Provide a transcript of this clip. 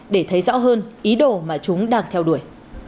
để thấy rõ hơn ý đồ mà chúng đang theo đuổi